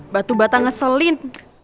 batu bata ngeselin